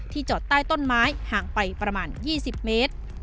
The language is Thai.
จอดใต้ต้นไม้ห่างไปประมาณ๒๐เมตร